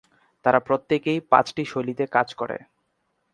তারা প্রত্যেকেই পাঁচটি শৈলীতে কাজ করে।